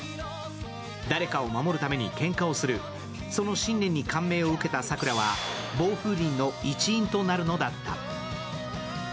誰かを守るためにけんかをする、その信念に感銘を受けた桜は、ボウフウリンの一員となるのだった。